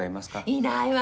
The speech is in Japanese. いないわね。